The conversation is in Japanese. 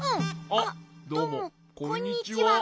あっどうもこんにちは。